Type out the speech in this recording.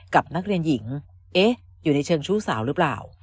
กับนักเรียนหญิงเอ๊ะอยู่ในเชิงชู้สาวหรือเปล่า